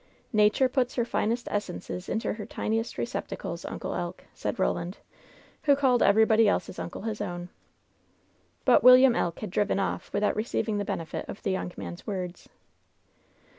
"Nature puts her finest essences into her tiniest recep tacles, Uncle Elk !" said Roland, who called everybody else's imcle his own. But William Elk had driven off without receiving the benefit of the young man's words.